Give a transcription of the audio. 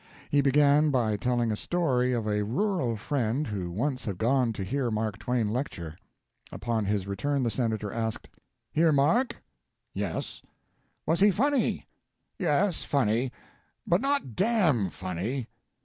He began by telling a story of a rural friend who once had gone to hear Mark Twain lecture. Upon his return the Senator asked: "Hear Mark?" "Yes." "Was he funny?" "Yes, funny, but not damn funny."